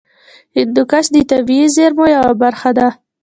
هندوکش د طبیعي زیرمو یوه برخه ده.